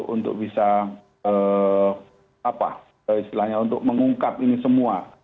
untuk bisa apa istilahnya untuk mengungkap ini semua